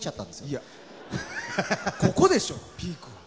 いやここでしょピークは。